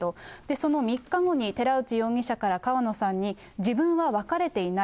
その３日後に、寺内容疑者から川野さんに、自分は別れていない。